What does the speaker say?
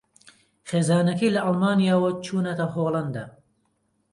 خێزانەکەی لە ئەڵمانیاوە چوونەتە ھۆڵەندا